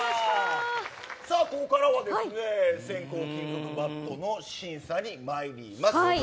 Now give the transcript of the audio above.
ここからは先攻金属バットの審査にまいります。